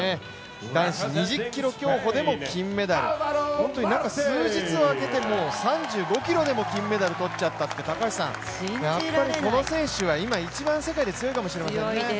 男子２０ｋｍ競歩でも金メダル、数日空けてもう３５ｋｍでも金メダル取っちゃったってやっぱりこの選手は一番世界で強いかもしれませんね。